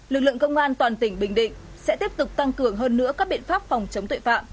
lực lượng công an toàn tỉnh bình định sẽ tiếp tục tăng cường hơn nữa các biện pháp phòng chống tội phạm